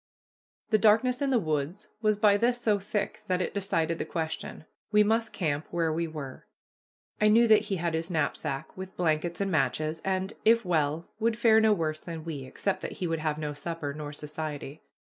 The darkness in the woods was by this so thick that it decided the question. We must camp where we were. I knew that he had his knapsack, with blankets and matches, and, if well, would fare no worse than we, except that he would have no supper nor society.